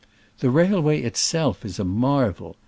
The railway itself is a marvel.